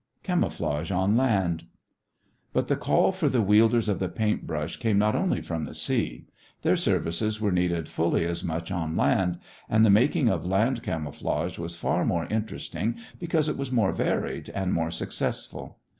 CAMOUFLAGE ON LAND But the call for the wielders of the paintbrush came not only from the sea. Their services were needed fully as much on land, and the making of land camouflage was far more interesting because it was more varied and more successful.